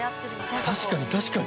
◆確かに確かに！